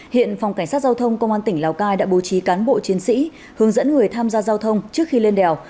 hiện phòng cảnh sát giao thông công an tỉnh lào cai đã bố trí cán bộ chiến sĩ hướng dẫn người tham gia giao thông trước khi lên đèo